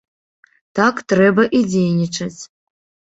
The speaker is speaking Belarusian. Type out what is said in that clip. Так трэба і дзейнічаць.